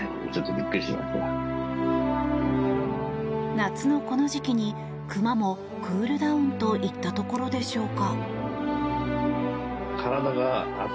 夏のこの時期に熊もクールダウンといったところでしょうか。